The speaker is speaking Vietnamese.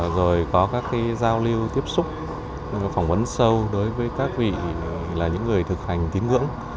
rồi có các giao lưu tiếp xúc phỏng vấn sâu đối với các vị là những người thực hành tín ngưỡng